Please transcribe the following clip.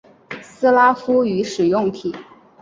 斯拉夫语使用体。